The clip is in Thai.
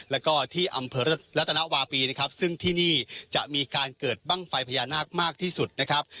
แล้วก็ที่อำเภอรัตนวาปีนะครับซึ่งที่นี่จะมีการเกิดบ้างไฟพญานาคมากที่สุดนะครับ